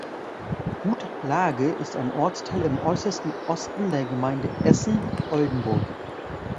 Gut Lage ist ein Ortsteil im äußersten Osten der Gemeinde Essen (Oldenburg).